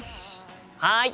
はい！